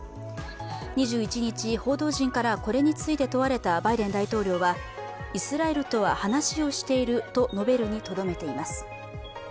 ２１日、報道陣からこれについて問われたバイデン大統領は、イスラエルとは話をしていると述べるにとどめています。